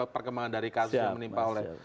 perkembangan dari kasus yang menimpa oleh